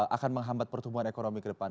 akan menghambat pertumbuhan ekonomi ke depan